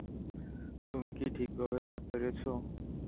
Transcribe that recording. তুমি কি ঠিকভাবে তা পেরেছ?